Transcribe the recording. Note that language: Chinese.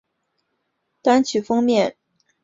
单曲封面登场的成员名单如下表所示。